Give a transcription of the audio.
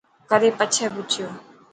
ڪري پڇي پڇيو .